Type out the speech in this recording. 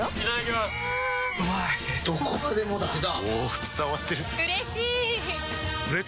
どこまでもだあ！